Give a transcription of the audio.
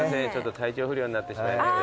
体調不良になってしまいまして。